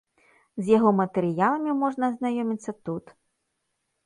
З яго матэрыяламі можна азнаёміцца тут.